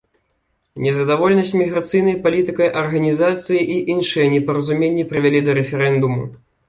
Незадаволенасць міграцыйнай палітыкай арганізацыі і іншыя непаразуменні прывялі да рэферэндуму.